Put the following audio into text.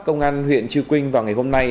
công an huyện trư quynh vào ngày hôm nay